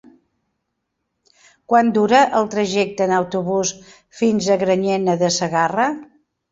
Quant dura el trajecte en autobús fins a Granyena de Segarra?